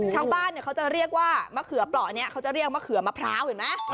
ชาวบ้านเขาจะเรียกว่ามะเขือเปราะนี้เขาจะเรียกมะเขือมะพร้าวเห็นไหม